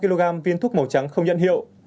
hai năm kg viên thuốc màu trắng không nhận hiệu